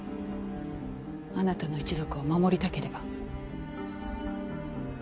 あなたの一族を守りたければ。